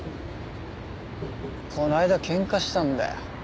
この間喧嘩したんだよ。